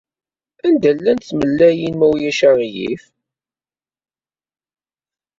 Anda llant tmellalin, ma ulac aɣilif?